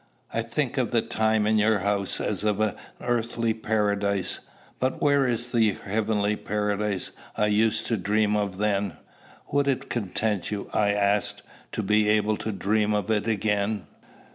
I think of the time in your house as of an earthly paradise. But where is the heavenly paradise I used to dream of then?" "Would it content you," I asked, "to be able to dream of it again?"